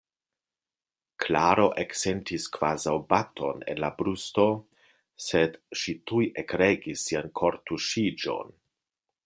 Klaro eksentis kvazaŭ baton en la brusto, sed ŝi tuj ekregis sian kortuŝiĝon.